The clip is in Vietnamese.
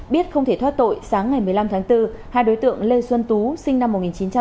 biết không thể thoát tội sáng ngày một mươi năm tháng bốn hai đối tượng lê xuân tú sinh năm một nghìn chín trăm tám mươi